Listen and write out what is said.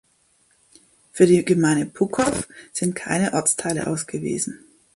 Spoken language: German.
Für die Gemeinde Pucov sind keine Ortsteile ausgewiesen.